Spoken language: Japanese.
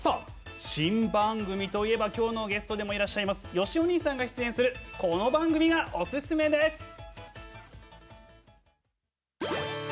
新番組と言えばきょうのゲストでいらっしゃいますよしお兄さんが出演するこの番組がオススメです。